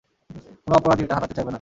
কোন অপরাধী এটা হারাতে চাইবে না।